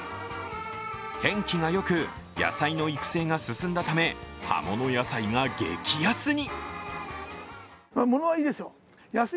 天気がよく、野菜の育成が進んだため、葉物野菜が激安に。